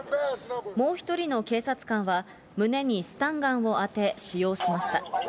もう１人の警察官は、胸にスタンガンを当て、使用しました。